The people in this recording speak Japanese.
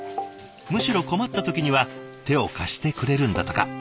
むしろ困った時には手を貸してくれるんだとか。